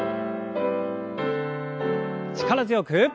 力強く。